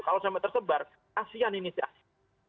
kalau sampai tersebar kasihan ini si aisyah